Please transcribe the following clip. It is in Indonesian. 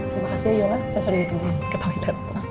terima kasih yolanda saya sudah ditunggu